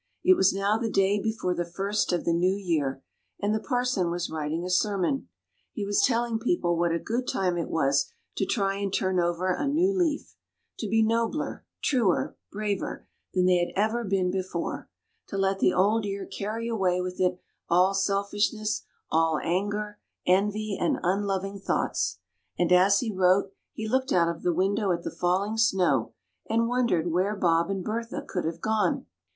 It was now the day before the first of the new year, and the parson was writing a sermon. He was telling people what a good time it was to try and turn over a new leaf; to be nobler, truer, braver, than they had ever been before; to let the old year carry away with it all selfishness, all anger, envy, and unloving thoughts; and as he wrote, he looked out of the window at the falling snow, and wondered where Bob and Bertha could have gone.